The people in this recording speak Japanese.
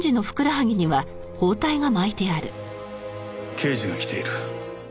刑事が来ている。